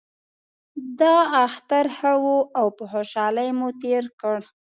دا اختر ښه و او په خوشحالۍ مو تیر کړ